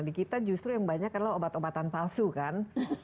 di kita justru yang banyak adalah obat obatan palsu kan